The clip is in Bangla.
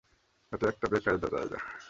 এটা একটা বেকায়দা জায়গা।